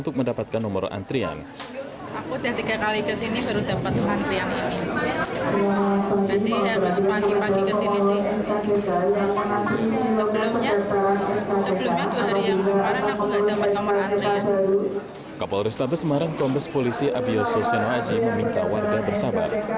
kepolrestabes semarang kompes polisi abiyo soseno aji meminta warga bersabar